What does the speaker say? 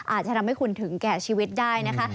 อาจจะทำให้คุณถึงแก่ชีวิตได้นะคะ